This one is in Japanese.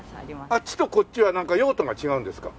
あっちとこっちはなんか用途が違うんですか？